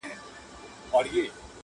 بیا را ژوندي کړو د بابا لښکري-